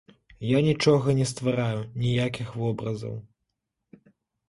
Я нічога не ствараю, ніякіх вобразаў.